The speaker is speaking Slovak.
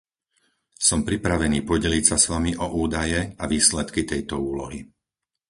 Som pripravený podeliť sa s vami o údaje a výsledky tejto úlohy.